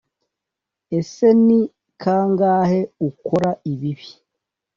ese ni kangahe ukora ibi‽